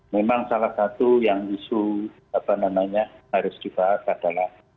memang salah satu yang justru harus dibahas adalah